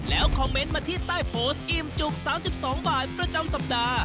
แล้วคอมเมนต์มาที่ใต้โพสต์อิ่มจุก๓๒บาทประจำสัปดาห์